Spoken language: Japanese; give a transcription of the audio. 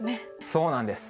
そうなんです。